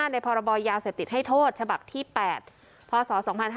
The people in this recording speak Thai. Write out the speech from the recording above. ในพรยาเสพติดให้โทษฉที่๘พศ๒๕๖๔